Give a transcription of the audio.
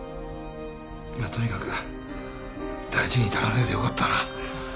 まあとにかく大事に至らねえでよかったな。